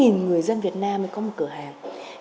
sáu mươi chín người dân việt nam mới có một cửa hàng